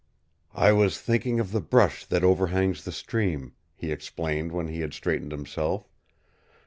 "I was thinking of the brush that overhangs the stream," he explained when he had straightened himself.